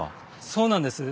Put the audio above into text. そうなんです。